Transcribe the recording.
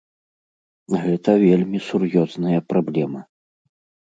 Гэта вельмі сур'ёзная праблема.